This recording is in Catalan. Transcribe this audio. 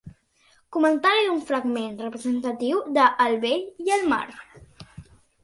Comentari d'un fragment representatiu de El vell i el mar.